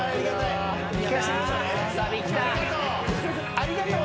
ありがとう！